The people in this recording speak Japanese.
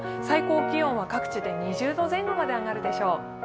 最高気温は各地で２０度前後まで上がるでしょう。